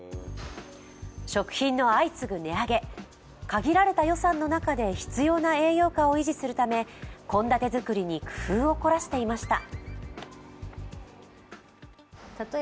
限られた予算の中で必要な栄養価を維持するため献立作りに工夫をこらしていました。